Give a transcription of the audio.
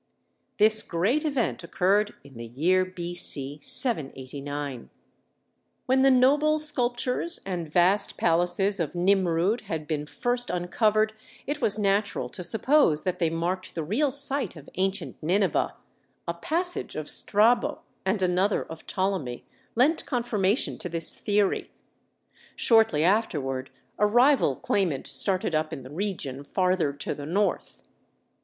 This great event occurred in the year B.C. 789. [When the noble sculptures and vast palaces of Nimrud had been first uncovered, it was natural to suppose that they marked the real site of ancient Nineveh; a passage of Strabo, and another of Ptolemy, lent confirmation to this theory. Shortly afterward a rival claimant started up in the region farther to the north.